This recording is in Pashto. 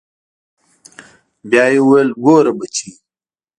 بيا يې وويل ګوره بچى.